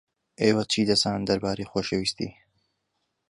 ئێوە چی دەزانن دەربارەی خۆشەویستی؟